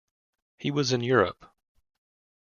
He was in Europe.